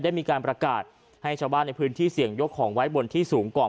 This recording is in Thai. ได้มีการประกาศให้ชาวบ้านในพื้นที่เสี่ยงยกของไว้บนที่สูงก่อน